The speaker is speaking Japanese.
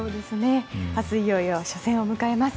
明日いよいよ初戦を迎えます。